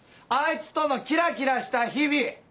あいつとのキラキラした日々！